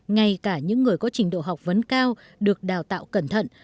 ngay cả những người có trình độ học vấn cao được đào tạo cẩn thận